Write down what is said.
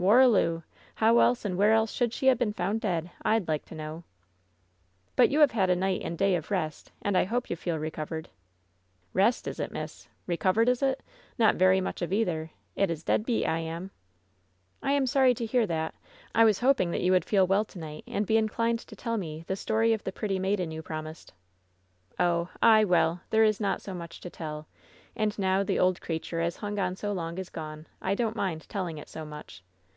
Warraloo 1 How else and where else should she ha' been found dead, Fd like to know !" "But you have had a night and day of rest, and I hope you feel recovered/' ^Tlest, is it, miss ? Recovered, is it ? Not very much of either I It is dead beat I am !" "I am sorry to hear that. I was hoping that you would feel well to night and be inclined to tell me the story of the pretty maiden you promised," "Oh, ay, well, there is not so much to tell. And now the old creature as hung on so long is gone, I don't mind telling it so much.